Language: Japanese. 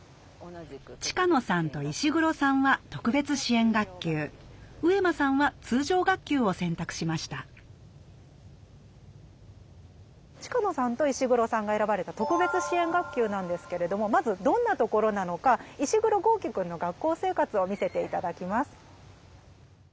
近野さんと石黒さんは特別支援学級上間さんは通常学級を選択しました近野さんと石黒さんが選ばれた特別支援学級なんですけれどもまずどんなところなのか石黒豪輝くんの学校生活を見せて頂きます。